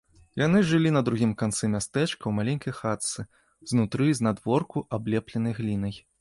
Яны жылі на другім канцы мястэчка ў маленькай хатцы, знутры і знадворку аблепленай глінай.